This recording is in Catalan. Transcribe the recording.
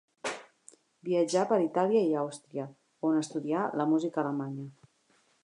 Viatjà per Itàlia i Àustria on estudià la música alemanya.